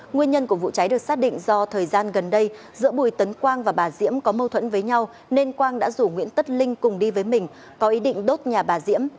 nguyên nhân của vụ cháy được xác định do thời gian gần đây giữa bùi tấn quang và bà diễm có mâu thuẫn với nhau nên quang đã rủ nguyễn tất linh cùng đi với mình có ý định đốt nhà bà diễm